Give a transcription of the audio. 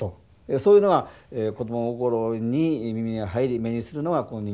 そういうのが子供心に耳に入り目にするのがこの人形であり。